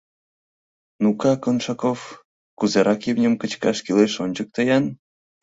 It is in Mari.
Ну-ка, Коншаков, кузерак имньым кычкаш кӱлеш, ончыкто-ян: